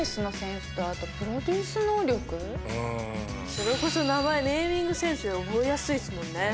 それこそネーミングセンス覚えやすいですもんね。